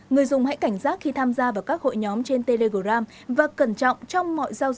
người dùng hãy cảnh giác khi tham gia vào các hội nhóm trên telegram và cẩn trọng trong mọi giao dịch trên không gian mạng